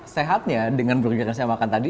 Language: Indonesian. sehatnya dengan burger yang saya makan tadi